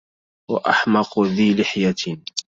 وأحمق ذي لحية